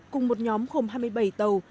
cùng một nhóm hôm hai mươi bảy tàu